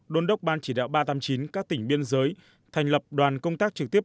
đôn đốc ban chỉ đạo ba trăm tám mươi chín các tỉnh biên giới thành lập đoàn công tác trực tiếp